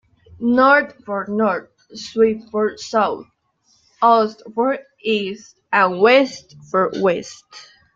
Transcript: Noord for north, Zuid for south, Oost for east and West for West.